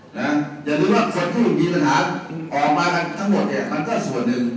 นะฮะอย่ารู้ว่าคนที่อื่นมีปัญหาออกมาทั้งหมดเนี่ยมันก็ส่วนนึง